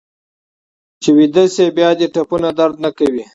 چې ویده شې بیا دې ټپونه درد نه کوي.